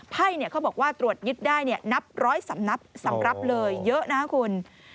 ให้เนี่ยเขาบอกว่าตรวจยึดได้เนี่ยนับร้อยสำนับสำรับเลยเยอะนะคะคุณ